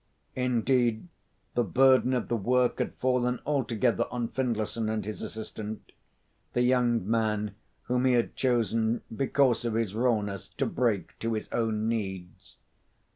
Indeed, the burden of the work had fallen altogether on Findlayson and his assistant, the young man whom he had chosen because of his rawness to break to his own needs.